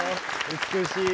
美しい。